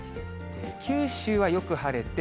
九州はよく晴れて、